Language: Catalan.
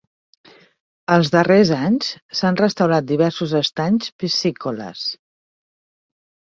Els darrers anys, s'han restaurat diversos estanys piscícoles.